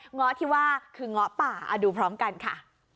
ง้อที่ว่าคือเงาะป่าเอาดูพร้อมกันค่ะ